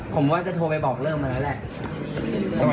ผมว่าจะโทรไปบอกเริ่มมาแล้วแหละ